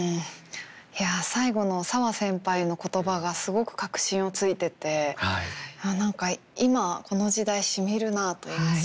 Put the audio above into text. いや最後のサワ先輩の言葉がすごく核心をついてて何か今この時代しみるなあといいますか。